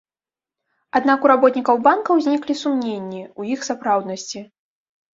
Аднак у работнікаў банка ўзніклі сумненні ў іх сапраўднасці.